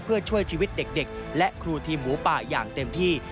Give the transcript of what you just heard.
เพื่อช่วยชีวิตเด็กและครูทีมหมูป่าอย่างเต็มที่